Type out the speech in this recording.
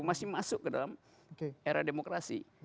masih masuk ke dalam era demokrasi